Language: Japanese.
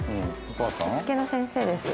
着付けの先生です。